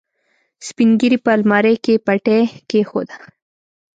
سپينږيري په المارۍ کې پټۍ کېښوده.